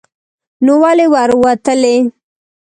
نو ولې ور وتلې